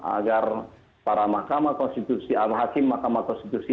agar para mahkamah konstitusi hakim mahkamah konstitusi